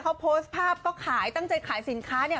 เขาโพสต์ภาพก็ขายตั้งใจขายสินค้าเนี่ย